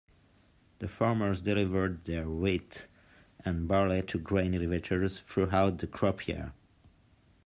The farmers delivered their wheat and barley to grain elevators throughout the crop year.